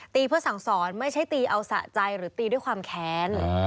เพื่อสั่งสอนไม่ใช่ตีเอาสะใจหรือตีด้วยความแค้น